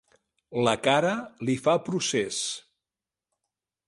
La cara li fa procés.